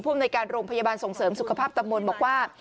ผู้มนตรายการโรงพยาบาลส่งเสริมสุขภาพตะบมนทร์บอกว่า